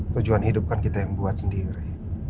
tujuan hidup kan kita yang buat sendiri